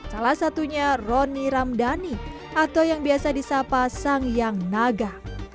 salah satunya roni ramdhani atau yang biasa disapa sang yang naga